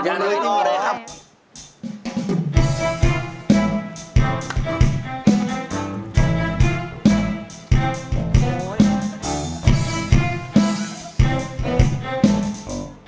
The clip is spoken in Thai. อย่าดูเลยครับ